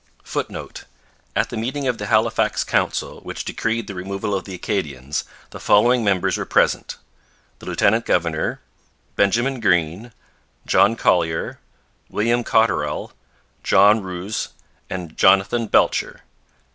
[Footnote: At the meeting of the Halifax Council which decreed the removal of the Acadians the following members were present: the lieutenant governor, Benjamin Green, John Collier, William Cotterell, John Rous, and Jonathan Belcher.